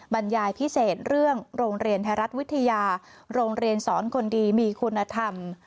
บรรยายพิเศษเรื่องโรงเรียนไทยรัฐวิทยาโรงเรียนสอนคนดีมีคุณธรรม